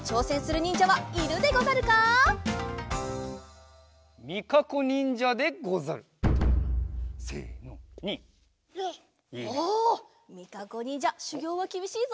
ニン！おみかこにんじゃしゅぎょうはきびしいぞ。